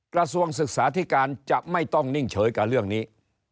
กระทรวงศึกษาธิการจะไม่ต้องนิ่งเฉยกับเรื่องนี้